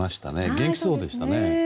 元気そうでしたね。